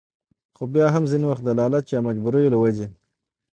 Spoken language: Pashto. خو بيا هم ځينې وخت د لالچ يا مجبورو له وجې